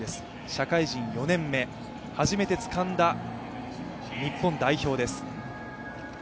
社会人４年目、初めてつかんだ日本代表です。